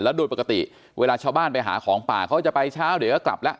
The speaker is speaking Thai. โดยปกติเวลาชาวบ้านไปหาของป่าเขาจะไปเช้าเดี๋ยวก็กลับแล้ว